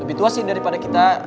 lebih tua sih daripada kita